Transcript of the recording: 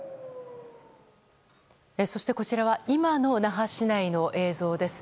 そして、こちらは今の那覇市内の映像です。